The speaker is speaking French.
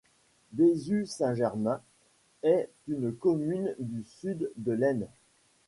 Bézu-Saint-Germain est une commune du sud de l'Aisne.